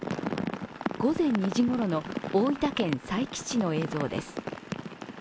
午前２時ごろの大分県佐伯市の映像です。